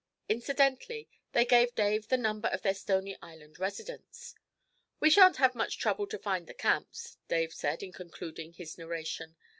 Incidentally they gave Dave the number of their Stony Island residence. 'We shan't have much trouble to find the Camps,' Dave said in concluding his narration.